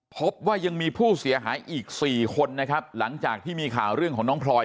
พบว่ายังมีผู้เสียหายอีก๔คนนะครับหลังจากที่มีข่าวเรื่องของน้องพลอย